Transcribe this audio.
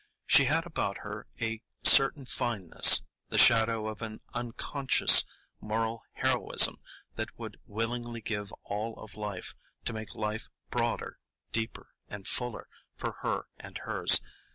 She had about her a certain fineness, the shadow of an unconscious moral heroism that would willingly give all of life to make life broader, deeper, and fuller for her and hers.